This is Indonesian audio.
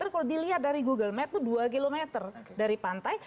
kalau dilihat dari google map itu dua km dari pantai